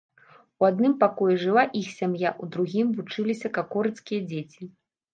У адным пакоі жыла іх сям'я, у другім вучыліся какорыцкія дзеці.